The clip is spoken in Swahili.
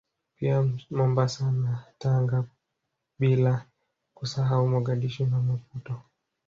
Pia Mombasa na Tanga bila kusahau Mogadishu na Maputo